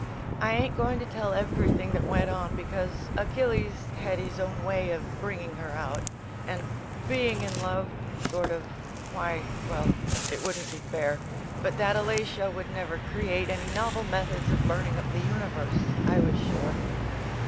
I ain't go ing to tell everything that went on because Achilles had his own way of bringing her out ; and being in love, sort of, why, well — it wouldn't be fair — but that Alatia would never create any novel methods of burning up the universe, I was sure.